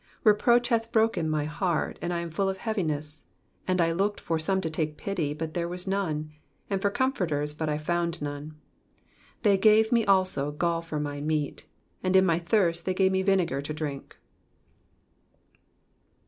20 Reproach hath broken my heart ; and I am full of heavi ness : and I looked /or some to take pity, but iAere was none ; and for comforters, but I found none. 21 They gave me also gall for my meat ; and in my thirst they gave me vinegar to drink.